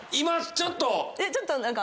ちょっと。